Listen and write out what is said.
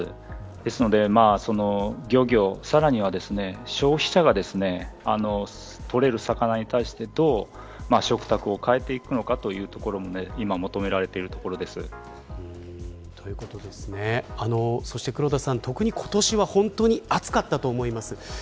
ですので、漁業、さらには消費者が取れる魚に対してどう食卓を変えていくのかというところが特に今年は暑かったと思います。